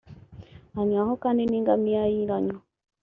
anywaho kandi n‘ingamiya ye iranywa